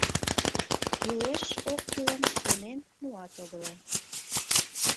— Кӱлеш-оккӱлым шонен муат огыла.